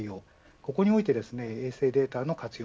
ここにおいて衛星データの活用